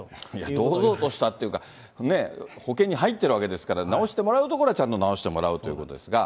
堂々としたっていうかね、保険に入ってるんですから、直してもらうところはちゃんと直してもらうということですが。